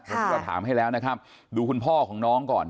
วันนี้เราถามให้แล้วนะครับดูคุณพ่อของน้องก่อน